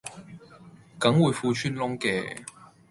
梗會褲穿窿嘅